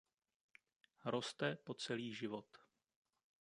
Roste po celý život.